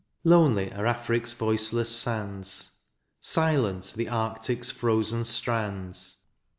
Lonely are Afric's voiceless sands. Silent the arctic's frozen strands.